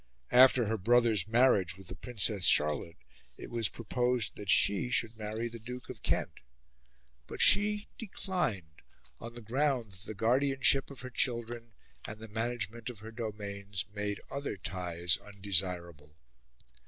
After her brother's marriage with the Princess Charlotte, it was proposed that she should marry the Duke of Kent; but she declined, on the ground that the guardianship of her children and the management of her domains made other ties undesirable.